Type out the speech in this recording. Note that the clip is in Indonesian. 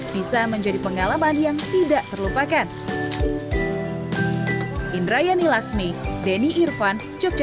bisa menjadi pengalaman yang tidak terlupakan